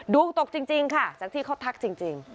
ดวงตกจริงค่ะจากที่เขาทักจริง